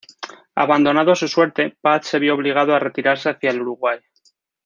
Abandonado a su suerte, Paz se vio obligado a retirarse hacia el Uruguay.